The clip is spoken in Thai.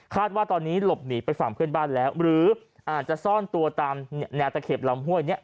ว่าตอนนี้หลบหนีไปฝั่งเพื่อนบ้านแล้วหรืออาจจะซ่อนตัวตามแนวตะเข็บลำห้วยนี้